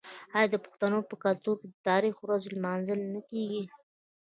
آیا د پښتنو په کلتور کې د تاریخي ورځو لمانځل نه کیږي؟